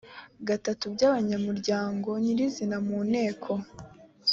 gatatu by abanyamuryango nyirizina mu nteko